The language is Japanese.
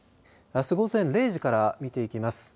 あす午前０時から見ていきます。